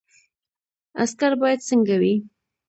عسکر باید څنګه وي؟